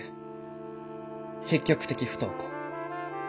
積極的不登校。